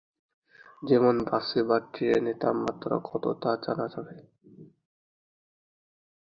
যেমন বাসে বা ট্রেনের তাপমাত্রা কতো তা জানা যাবে।